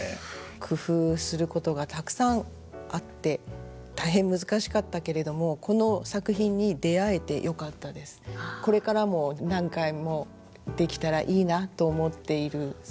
工夫することがたくさんあって大変難しかったけれどもこれからも何回もできたらいいなと思っている作品になりました。